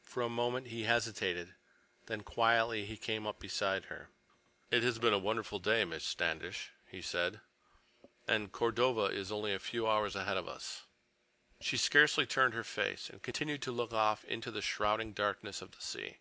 For a moment he hesitated, then quietly he came up beside her. "It has been a wonderful day, Miss Standish," he said, "and Cordova is only a few hours ahead of us." She scarcely turned her face and continued to look off into the shrouding darkness of the sea.